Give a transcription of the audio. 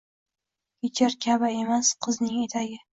Kechir, Ka’ba emas, qizning etagi